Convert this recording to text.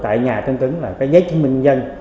tại nhà tân tuấn là cái giấy chứng minh dân